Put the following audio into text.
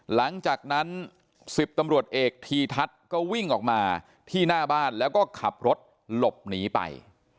หลังจากนั้น๑๐ตำรวจเอกทีทัศน์ก็วิ่งออกมาที่หน้าบ้านแล้วก็ขับรถหลบหนีไป